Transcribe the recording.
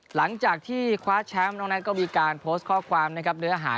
หลังจากที่คว้าแชมป์น้องนัทก็มีการโพสต์ข้อความนะครับเนื้อหา